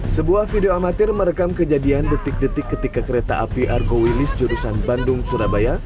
sebuah video amatir merekam kejadian detik detik ketika kereta api argo wilis jurusan bandung surabaya